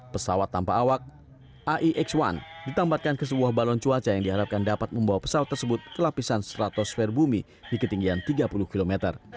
pesawat tanpa awak aix satu ditambatkan ke sebuah balon cuaca yang diharapkan dapat membawa pesawat tersebut ke lapisan stratosfer bumi di ketinggian tiga puluh km